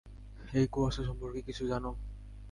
এই কুয়াশা সম্পর্কে কিছু জানো?